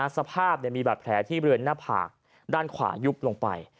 สภาพมีแบบแผลที่เบือนหน้าผากด้านขวายุบลงไป